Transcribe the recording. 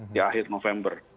di akhir november